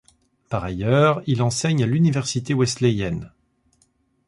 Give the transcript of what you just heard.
Par ailleurs, il enseigne à l'université Wesleyenne.